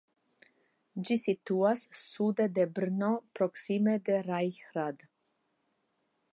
Ĝi situas sude de Brno proksime de Rajhrad.